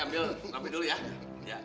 ambil pra intuit ya